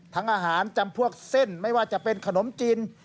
อาหารจำพวกเส้นไม่ว่าจะเป็นขนมจีน